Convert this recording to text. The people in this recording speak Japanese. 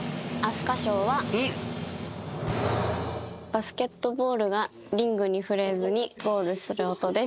バスケットボールがリングに触れずにゴールする音です。